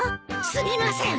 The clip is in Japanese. すみません。